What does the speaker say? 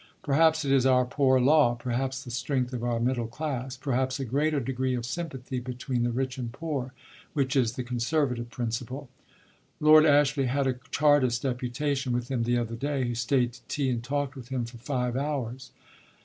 Perhaps it is our Poor Law, perhaps the strength of our Middle Class, perhaps a greater degree of sympathy between the rich and poor, which is the conservative principle. Lord Ashley had a Chartist deputation with him the other day, who stayed to tea and talked with him for five hours.